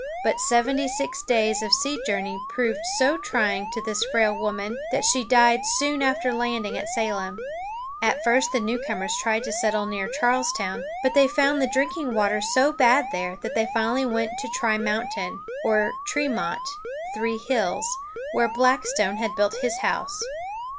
But seventy six days of sea journey proved so trying to this frail woman that she died soon after landing at Salem. At first the newcomers tried to settle near Charles´town; but they found the drinking water so bad there that they finally went to Trimountain, or Tre´mont ("Three Hills"), where Blackstone had built his house.